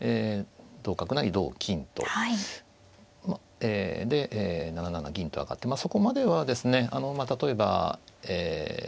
ええで７七銀と上がってそこまではですね例えばええ